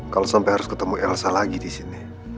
kalosampe harus ketemu elsa lagi disini